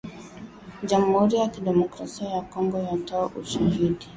Jamhuri ya Kidemokrasia ya Kongo yatoa ushahidi